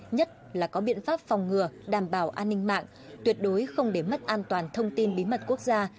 nhất là có biện pháp phòng ngừa đảm bảo an ninh mạng tuyệt đối không để mất an toàn thông tin bí mật quốc gia